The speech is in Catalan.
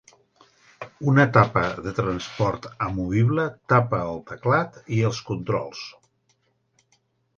Una tapa de transport amovible tapa el teclat i els controls.